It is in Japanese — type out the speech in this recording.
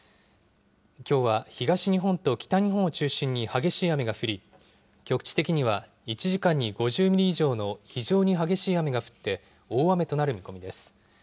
きょうは東日本と北日本を中心に激しい雨が降り局地的には１時間に５０ミリ以上の非常に激しい雨が降って大雨となる見込みです。